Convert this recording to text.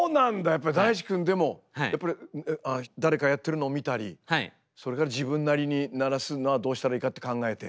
やっぱりＤａｉｃｈｉくんでもやっぱり誰かやってるのを見たりそれから自分なりに鳴らすのはどうしたらいいかって考えて？